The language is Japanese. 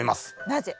なぜ？